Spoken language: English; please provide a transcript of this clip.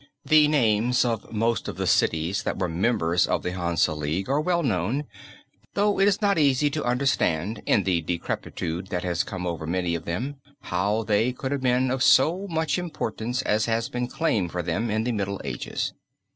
The names of most of the cities that were members of the Hansa League are well known, though it is not easy to understand in the decrepitude that has come over many of them, how they could have been of so much importance as has been claimed for them in the Middle Ages.